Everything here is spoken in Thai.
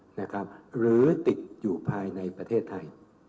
หรือติดอยู่ภายในประเทศไทย